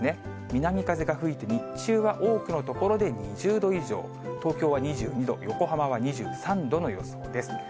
南風が吹いて、日中は多くの所で２０度以上、東京は２２度、横浜は２３度の予想です。